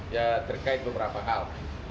ya terkait beberapa hal